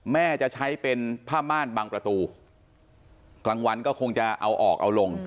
แม่จะใช้เป็นผ้าม่านบางประตูกลางวันก็คงจะเอาออกเอาลง